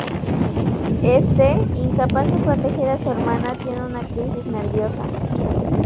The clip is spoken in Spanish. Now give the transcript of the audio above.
Éste, incapaz de proteger a su hermana, tiene una crisis nerviosa.